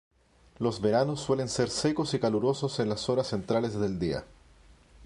Los veranos suelen ser secos y calurosos en las horas centrales del día.